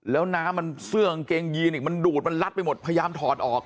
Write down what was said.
แล้วน้ำมันเสื้อกางเกงยีนอีกมันดูดมันลัดไปหมดพยายามถอดออก